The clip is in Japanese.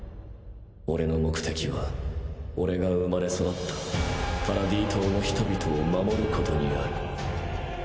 オレの目的はオレが生まれ育ったパラディ島の人々を守ることにある。